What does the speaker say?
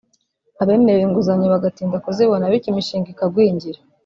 abemerewe inguzanyo bagatinda kuzibona bityo imishinga ikagwingira